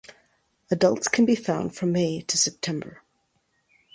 Adults can be found from May to September.